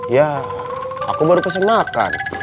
iya aku baru pesen makan